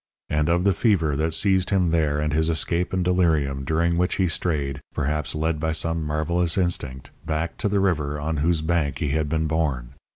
And of the fever that seized him there and his escape and delirium, during which he strayed, perhaps led by some marvellous instinct, back to the river on whose bank he had been born.